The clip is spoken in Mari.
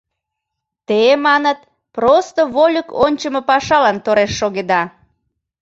Те, маныт, просто вольык ончыма пашалан тореш шогеда!